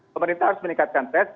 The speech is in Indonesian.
pemerintah harus meningkatkan tes